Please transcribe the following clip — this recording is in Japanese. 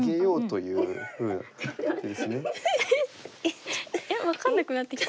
いや分かんなくなってきた。